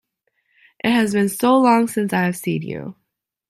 It has been so long since I have seen you!